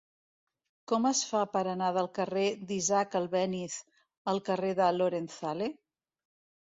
Com es fa per anar del carrer d'Isaac Albéniz al carrer de Lorenzale?